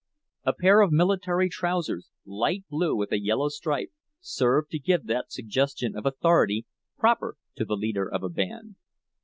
A pair of military trousers, light blue with a yellow stripe, serve to give that suggestion of authority proper to the leader of a band.